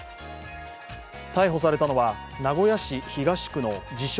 逮捕されたのは名古屋市東区の自称